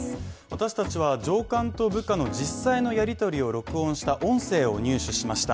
私たちは上官と部下の実際のやり取りを録音した音声を入手しました。